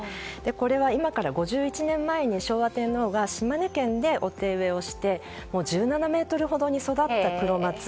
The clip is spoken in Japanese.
これは今から５１年前に昭和天皇が島根県でお手植えをして１７ｍほどに育ったクロマツ。